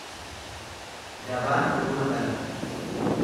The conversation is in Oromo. Dabaan duruma dhalata.